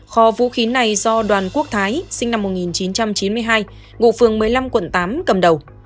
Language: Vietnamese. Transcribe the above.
kho vũ khí này do đoàn quốc thái sinh năm một nghìn chín trăm chín mươi hai ngụ phường một mươi năm quận tám cầm đầu